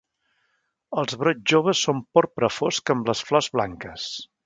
Els brots joves són porpra fosc amb les flors blanques.